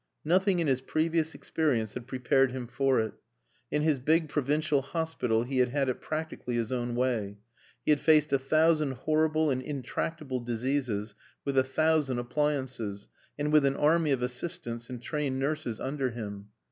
Nothing in his previous experience had prepared him for it. In his big provincial hospital he had had it practically his own way. He had faced a thousand horrible and intractable diseases with a thousand appliances and with an army of assistants and trained nurses under him.